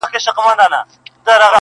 هر میدان یې په مړانه وي گټلی!